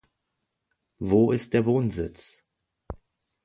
Wo ist der Wohnsitz?